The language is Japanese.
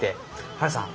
ハルさん